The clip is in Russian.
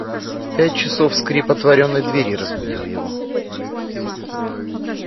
В пять часов скрип отворенной двери разбудил его.